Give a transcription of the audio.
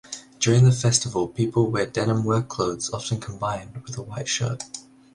During the festival people wear denim work clothes, often combined with a white shirt.